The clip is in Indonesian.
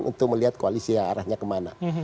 untuk melihat koalisi arahnya kemana